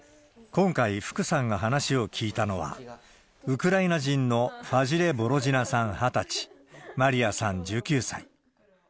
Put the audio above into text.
今回、福さんが話を聞いたのは、ウクライナ人のファジレ・ボロジナさん２０歳、マリアさん１９歳。